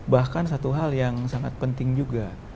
bahkan satu hal yang sangat penting juga